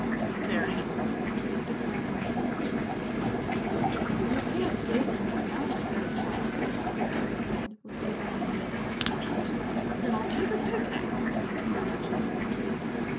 "There ain't," declared Nahum, shortly. "You can't dig when the ground's froze hard," Eva said, with literal meaning. "Then I'll take a pickaxe," cried Jim.